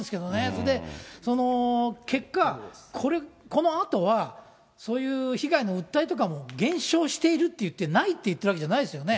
それで、その結果、このあとはそういう被害の訴えとかも減少しているといって、ないっていってるわけじゃないですよね。